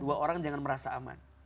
dua orang jangan merasa aman